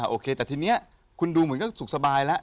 โอเคแต่ทีนี้คุณดูเหมือนก็สุขสบายแล้ว